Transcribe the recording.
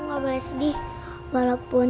nggak boleh sedih walaupun